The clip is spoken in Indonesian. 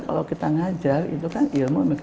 kalau kita ngajar itu kan ilmu